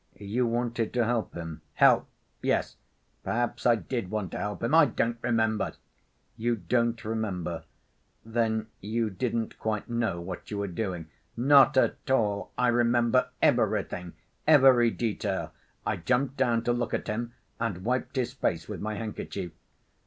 "You wanted to help him?" "Help!... Yes, perhaps I did want to help him.... I don't remember." "You don't remember? Then you didn't quite know what you were doing?" "Not at all. I remember everything—every detail. I jumped down to look at him, and wiped his face with my handkerchief."